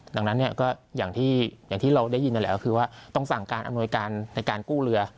ดังนั้นเนี่ยก็อย่างที่เราได้ยินนั่นแหละก็คือว่าต้องสั่งการอำนวยการในการกู้เรือ